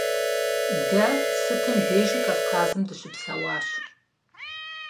Дэ сытым дежи Кавказым дыщыпсэуащ.